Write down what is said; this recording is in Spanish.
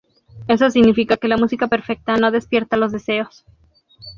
Eso significa que la música perfecta no despierta los deseos.